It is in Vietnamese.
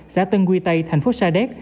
xã tân quy tây thành phố sa đéc